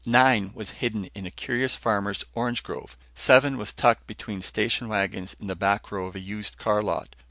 Nine was hidden in a curious farmer's orange grove. Seven was tucked between station wagons in the back row of a used car lot.